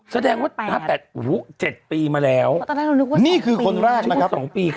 แสดงว่า๕๘อุ้ย๗ปีมาแล้วนี่คือคนแรกนะครับ